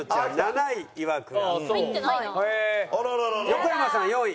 横山さん４位？